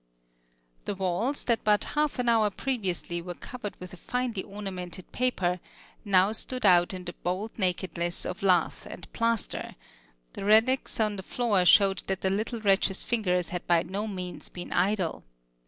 ] The walls, that but half an hour previously were covered with a finely ornamented paper, now stood out in the bold nakedness of lath and plaster; the relics on the floor showed that the little wretch's fingers had by no means been idle.